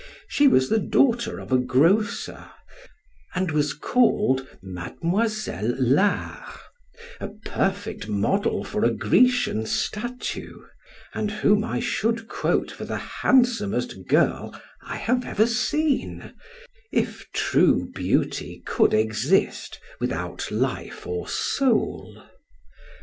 She was the daughter of a grocer, and was called Mademoiselle de Larnage, a perfect model for a Grecian statue, and whom I should quote for the handsomest girl I have ever seen, if true beauty could exist without life or soul.